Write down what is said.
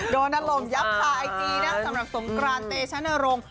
โดนอารมณ์ยับคาไอจีนะสำหรับสงกรานเตชะนรงค์